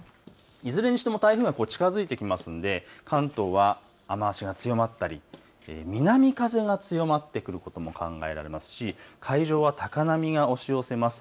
いずれにしても台風が近づいてきますので関東は雨足が強まったり、南風が強まってくることも考えられますし海上は高波が押し寄せます。